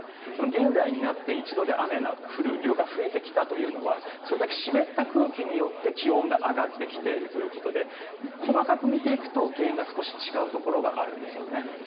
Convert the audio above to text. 現代になって一度に降る雨の量が増えてきたということはそれだけ湿った空気によって気温が上がってきているということで細かく見ていくと原因が少し違うところがあるんですよね。